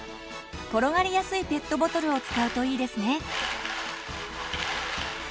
転がりやすいペットボトルを使うといいですね。